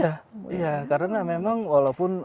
ya karena memang walaupun